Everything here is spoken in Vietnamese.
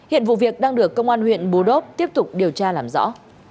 hiện vụ việc đang được công an huyện bù đốp tiếp tục điều tra làm rõ